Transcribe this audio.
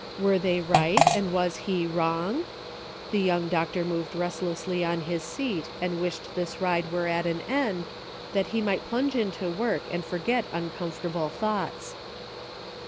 Were they right, and was he wrong ? The young doctor moved restlessly on his seat and wished this ride were at an end, that he might plunge into work and forget uncomfortable thoughts.